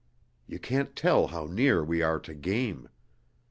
You can't tell how near we are to game.